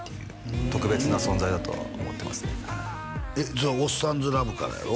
それ「おっさんずラブ」からやろ？